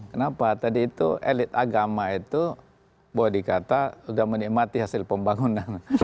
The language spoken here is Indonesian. kenapa tadi itu elit agama itu boleh dikata sudah menikmati hasil pembangunan